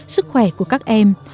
sức khỏe của các em